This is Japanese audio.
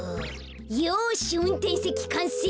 よしうんてんせきかんせい。